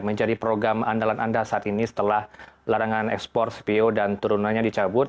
menjadi program andalan anda saat ini setelah larangan ekspor cpo dan turunannya dicabut